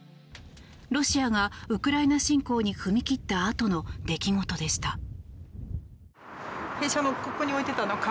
ロシアがウクライナ侵攻に踏み切ったあとの出来事でした。